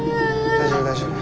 大丈夫大丈夫。